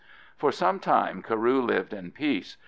For some time Carew lived in peace.